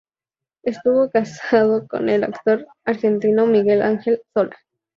Estuvo casada con el actor argentino Miguel Ángel Solá.